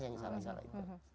yang salah salah itu